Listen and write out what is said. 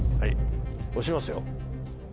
押しますよ？